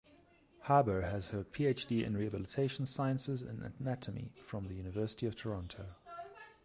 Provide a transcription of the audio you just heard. Haber has her PhD in Rehabilitation Sciences and Anatomy from the University of Toronto.